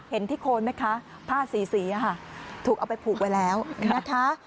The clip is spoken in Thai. เห็นที่โคนไหมคะผ้าสีสีถูกเอาไปผูกไว้แล้วนะคะ